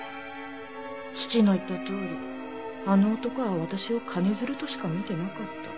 父の言ったとおりあの男は私を金づるとしか見てなかった。